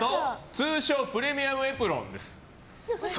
通称プレミアムエプロンです。